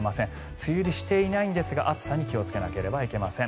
梅雨入りしていないんですが暑さに気をつけないといけません。